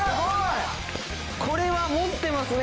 これは持ってますね。